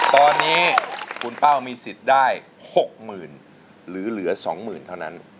ตอนนี้คุณเป้ามีสิทธิ์ได้หกหมื่นหรือเหลือสองหมื่นเท่านั้น